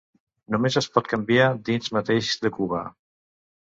Només es pot canviar dins mateix de Cuba.